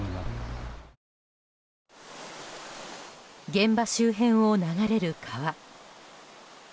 現場周辺を流れる川。